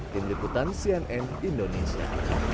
tim liputan cnn indonesia